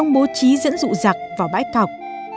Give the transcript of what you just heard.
bố trí dẫn dụ giặc vào bãi cọc